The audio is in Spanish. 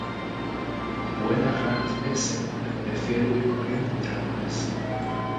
Vuela raras veces, pues prefiere huir corriendo entre la maleza.